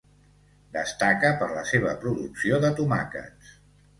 Destaca per la seva producció de tomàquets.